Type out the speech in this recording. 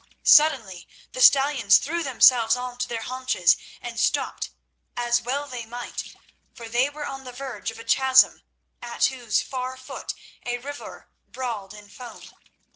Suddenly the stallions threw themselves on to their haunches and stopped, as well they might, for they were on the verge of a chasm, at whose far foot a river brawled in foam.